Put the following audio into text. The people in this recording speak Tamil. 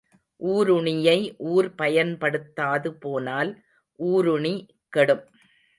ஊருணியை ஊர் பயன்படுத்தாது போனால் ஊருணி கெடும்.